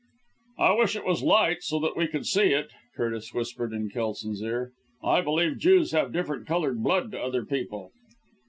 "I wish it was light so that we could see it," Curtis whispered in Kelson's ear. "I believe Jews have different coloured blood to other people."